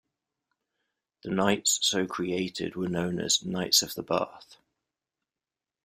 The knights so created were known as "Knights of the Bath".